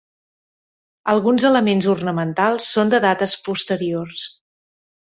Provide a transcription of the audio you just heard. Alguns elements ornamentals són de dates posteriors.